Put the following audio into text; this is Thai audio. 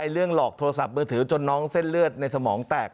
เรื่องหลอกโทรศัพท์มือถือจนน้องเส้นเลือดในสมองแตก